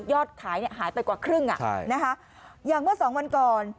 ขายเนี่ยหายไปกว่าครึ่งอ่ะใช่นะคะอย่างเมื่อสองวันก่อน